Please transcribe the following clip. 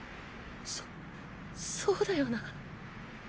そうそうだよなあ。